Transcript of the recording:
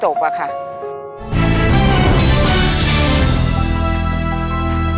จุ่มจะไม่ได้ยินด้วย